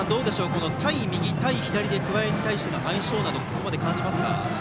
この対右、対左に対して桑江の相性などここまで感じますか。